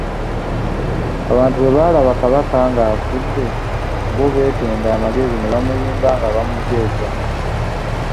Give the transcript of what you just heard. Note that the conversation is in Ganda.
Abantu bwe baalaba Kabaka ng'afudde bo beetenda amagezi ne bamuyimba ng'abamujeeja.